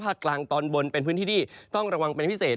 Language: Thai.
กลางตอนบนเป็นพื้นที่ที่ต้องระวังเป็นพิเศษ